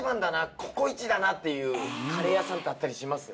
ここイチだなっていうカレー屋さんってあったりします？